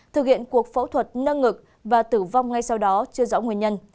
thực hiện cuộc phẫu thuật nâng ngực và tử vong ngay sau đó chưa rõ nguyên nhân